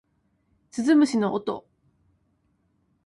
鈴虫の音